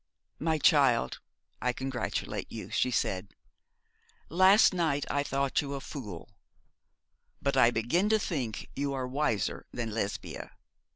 'My child, I congratulate you,' she said. 'Last night I thought you a fool, but I begin to think that you are wiser than Lesbia.